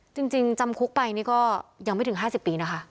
จริงจำคุกไปนี่ก็ยังไม่ถึง๕๐ปีนะคะ